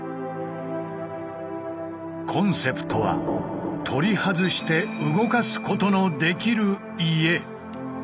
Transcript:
コンセプトは取り外して動かすことのできる家。